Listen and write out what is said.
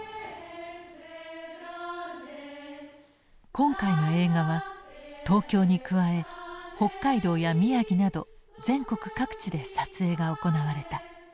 今回の映画は東京に加え北海道や宮城など全国各地で撮影が行われた。